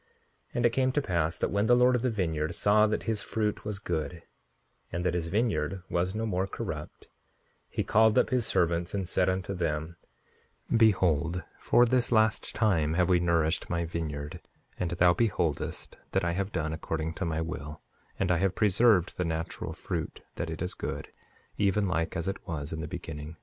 5:75 And it came to pass that when the Lord of the vineyard saw that his fruit was good, and that his vineyard was no more corrupt, he called up his servants, and said unto them: Behold, for this last time have we nourished my vineyard; and thou beholdest that I have done according to my will; and I have preserved the natural fruit, that it is good, even like as it was in the beginning.